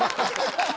ハハハ！